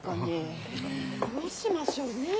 どうしましょうね？